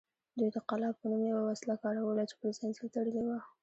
دوی د قلاب په نوم یوه وسله کاروله چې پر زنځیر تړلې وه